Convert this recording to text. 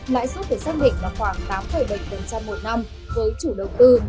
lãi suất được xác định là khoảng tám bảy một năm với chủ đầu tư